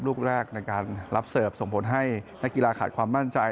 ลูกแรกในการรับเสิร์ฟส่งผลให้นักกีฬาขาดความมั่นใจ